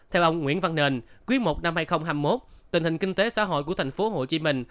theo ông nguyễn văn nền cuối một năm hai nghìn hai mươi một tình hình kinh tế xã hội của thành phố hồ chí minh